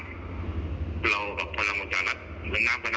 เรากับพลังประชารัฐเหมือนน้ำกับน้ำมัน